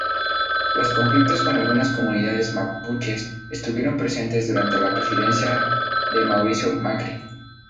Los conflictos con algunas comunidades mapuches estuvieron presentes durante la presidencia de Mauricio Macri.